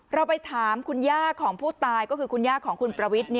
เราไปถามคุณย่าของผู้ตายก็คือคุณย่าของคุณประวิทย์